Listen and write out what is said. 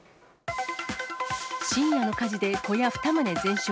深夜の火事で小屋２棟全焼。